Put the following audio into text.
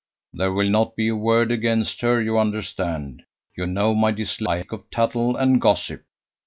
"There will not be a word against her, you understand. You know my dislike of tattle and gossip.